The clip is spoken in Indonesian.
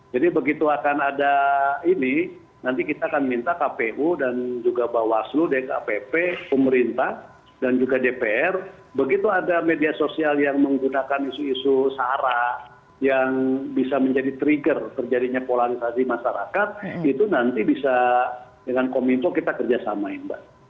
jadi begitu akan ada ini nanti kita akan minta kpu dan juga bawaslu dkpp pemerintah dan juga dpr begitu ada media sosial yang menggunakan isu isu searah yang bisa menjadi trigger terjadinya polarisasi masyarakat itu nanti bisa dengan kominfo kita kerjasama mbak